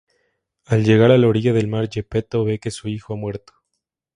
Al llegar a la orilla del mar Geppetto ve que su hijo ha muerto.